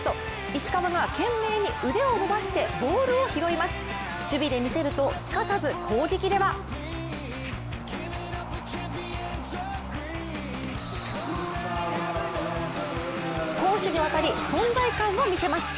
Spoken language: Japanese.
石川が懸命に腕を伸ばしてボールを拾います、守備で見せるとすかさず攻撃では攻守にわたり存在感を見せます。